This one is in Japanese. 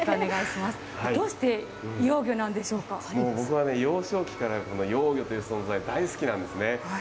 僕は幼少期から、幼魚という存在、大好きなんですね。